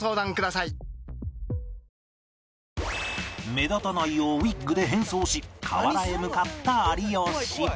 目立たないようウィッグで変装し河原へ向かった有吉